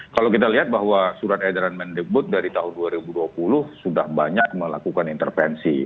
kalau kita lihat bahwa surat edaran mendikbud dari tahun dua ribu dua puluh sudah banyak melakukan intervensi